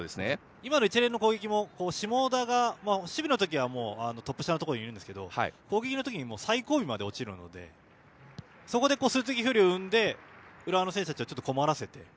今の一連の攻撃も下田、守備のときはトップ下のところにいるんですが攻撃のときに最後尾まで落ちるのでそこで数的不利を生んで浦和の選手たちを困らせて。